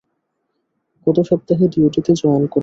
গত সপ্তাহে ডিউটিতে জয়েন করেছি।